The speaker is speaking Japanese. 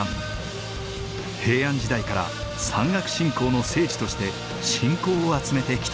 平安時代から山岳信仰の聖地として信仰を集めてきた。